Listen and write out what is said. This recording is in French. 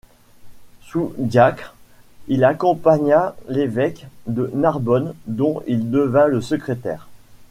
Sous-diacre, il accompagna l'évêque de Narbonne dont il devint le secrétaire.